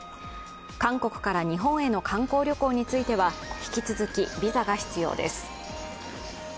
韓国から日本への観光旅行については引き続き、ビザが必要です。